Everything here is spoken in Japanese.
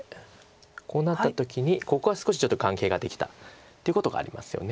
こうなった時にここが少しちょっと眼形ができたっていうことがありますよね。